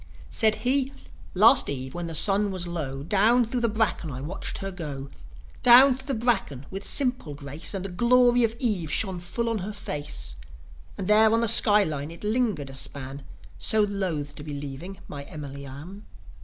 Said he: "Last eve, when the sun was low, Down thro' the bracken I watched her go Down thro' the bracken, with simple grace And the glory of eve shone full on her face; And there on the sky line it lingered a span, So loth to be leaving my Emily Arm."